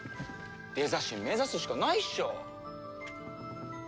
デザ神目指すしかないっしょ！